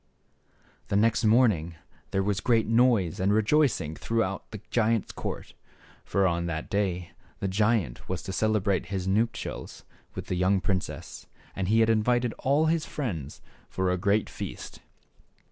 The next morning there was great noise and rejoicing throughout the giant's court; for on that day the giant was to celebrate his nuptials with the young princess, and he had invited all his friends for a great feast.